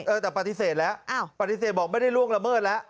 เออแต่ปฏิเสธแล้วปฏิเสธบอกไม่ได้ล่วงละเมิดแล้ว